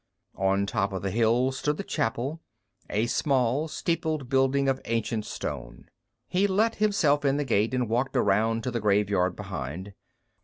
On top of the hill stood the chapel, a small steepled building of ancient stone. He let himself in the gate and walked around to the graveyard behind.